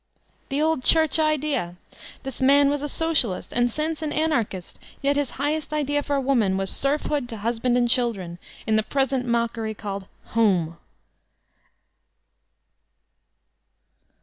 The old Church ideal This man was a Socialist, and since an Anarchist; yet his highest idea for woman was serfhood to husband and children, in the present mockery called ''home."